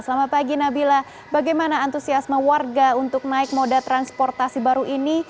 selamat pagi nabila bagaimana antusiasme warga untuk naik moda transportasi baru ini